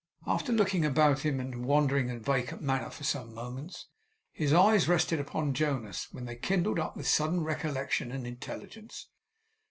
After looking about him in a wandering and vacant manner for some moments, his eyes rested upon Jonas, when they kindled up with sudden recollection and intelligence.